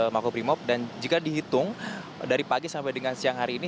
dan jika dihitung dari pagi sampai dengan siang hari ini